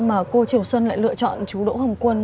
mà cô triều xuân lại lựa chọn chú đỗ hùng quân